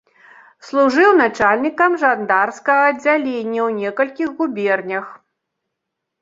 Служыў начальнікам жандарскага аддзялення ў некалькіх губернях.